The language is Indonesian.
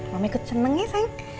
mama ikut seneng ya saya